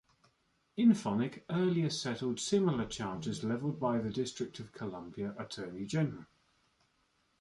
InPhonic earlier settled similar charges leveled by the District of Columbia attorney general.